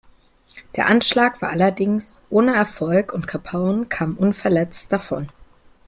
Der Anschlag war allerdings ohne Erfolg und Capone kam unverletzt davon.